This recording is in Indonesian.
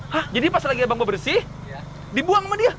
hah jadi pas lagi abang gue bersih dibuang sama dia